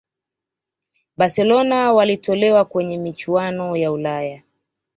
barcelona walitolewa kwenye michuano ya ulaya